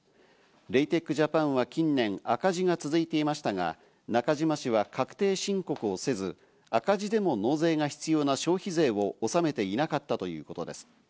レイテック・ジャパンは近年、赤字が続いていましたが、中嶋氏は確定申告をせず、赤字でも納税が必要な消費税を納めていなかったということです。